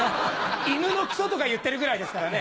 「犬のクソ」とか言ってるぐらいですからね。